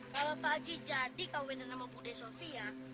kalau pakcik jadi kawinan sama bu de sofia